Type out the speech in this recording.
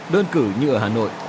đơn cử như ở hà nội